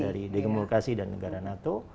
dari demokrasi dan negara nato